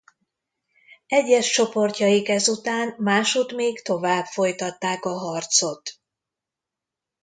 Egyes csoportjaik ezután másutt még tovább folytatták a harcot.